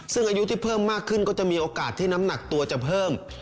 ซึ่งอายุที่เพิ่มมากขึ้นก็จะมีโอกาสที่น้ำหนักตัวจะเพิ่ม